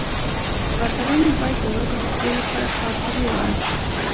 کارګرانو باید یوازې د دوی لپاره کار کړی وای